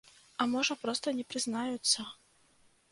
А можа, проста не прызнаюцца.